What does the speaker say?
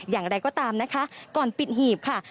อย่างไรก็ตามนะคะก่อนปิดหีบค่ะ